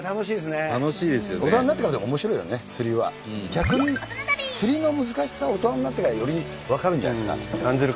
逆に釣りの難しさを大人になってからより分かるんじゃないですか。